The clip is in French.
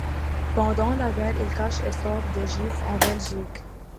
Pendant la guerre, il cache et sauve des juifs en Belgique.